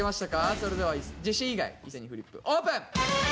それではジェシー以外一斉にフリップオープン！